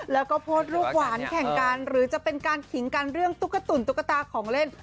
แล้วก็โพสต์รูปหวานแข่งกันหรือจะเป็นการขิงกันเรื่องตุ๊กตุ๋นตุ๊กตาของเล่น